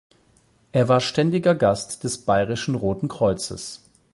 Er war ständiger Gast des Bayerischen Roten Kreuzes.